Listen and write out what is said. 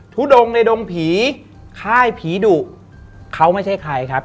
ทุดงในดงผีค่ายผีดุเขาไม่ใช่ใครครับ